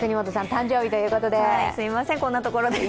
誕生日ということですいません、こんなところで。